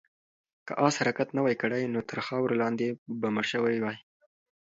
که آس حرکت نه وای کړی، نو تر خاورو لاندې به مړ شوی وای.